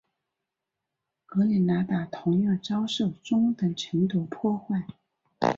格林纳达同样遭受中等程度破坏。